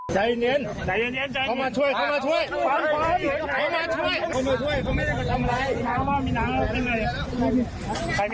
ใครมีน้ำมาให้เขาเย็นหน่อยพี่